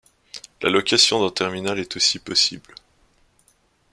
La location d'un terminal est aussi possible.